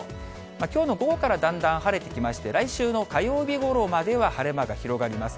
きょうの午後からだんだん晴れてきまして、来週の火曜日ごろまでは晴れ間が広がります。